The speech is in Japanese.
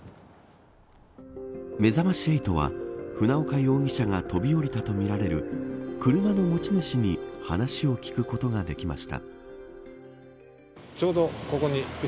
めざまし８は船岡容疑者が飛び降りたとみられる車の持ち主に話を聞くことができました。